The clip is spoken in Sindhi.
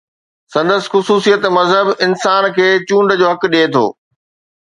سندس خصوصيت مذهب انسان کي چونڊ جو حق ڏئي ٿو.